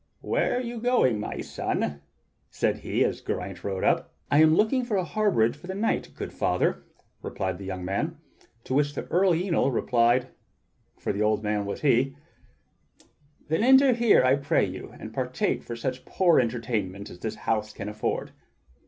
"Where are you going, my son?" said he as Geraint rode up. "I am looking for a harborage for the night, good father," replied the young man. To which Earl Yniol replied, for the old man was he: GERAINT WITH THE SPARROW HAWK 57 "Then enter here, I pray you, and partake of such poor enter tainment as this house can afford."